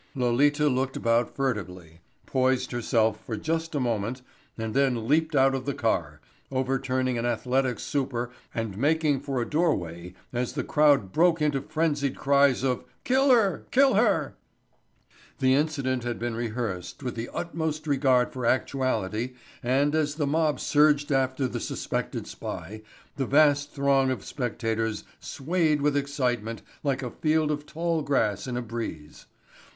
Lolita looked about furtively, poised herself for just a moment and then leaped out of the car, overturning an athletic super and making for a doorway as the crowd broke into frenzied cries of "kill her, kill her." The incident had been rehearsed with the utmost regard for actuality and as the mob surged after the suspected spy the vast throng of spectators swayed with excitement like a field of tall grass in a breeze.